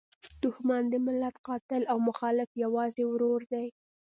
دوښمن د ملت قاتل او مخالف یوازې ورور دی.